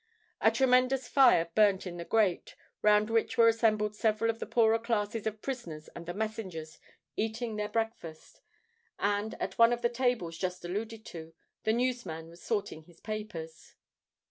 A tremendous fire burnt in the grate, round which were assembled several of the poorer class of prisoners and the messengers, eating their breakfast;—and, at one of the tables just alluded to, the newsman was sorting his papers.